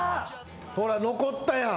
ほら残ったやん。